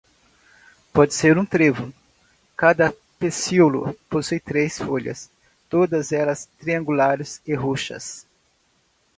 Por ser um trevo, cada pecíolo possui três folhas, todas elas triangulares e roxas.